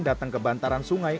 datang ke bantaran sungai